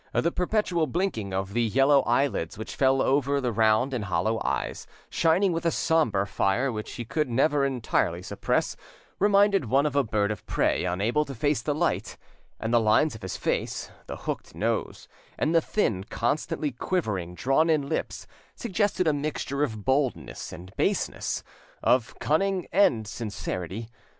The perpetual blinking of the yellow eyelids which fell over the round and hollow eyes, shining with a sombre fire which he could never entirely suppress, reminded one of a bird of prey unable to face the light, and the lines of his face, the hooked nose, and the thin, constantly quivering, drawn in lips suggested a mixture of boldness and baseness, of cunning and sincerity.